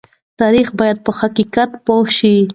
تاریخ باید په حقیقت پوه شي.